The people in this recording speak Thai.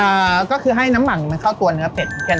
อ่าก็คือให้น้ำหมักมันเข้าตัวเนื้อเป็ดแค่นั้นเอง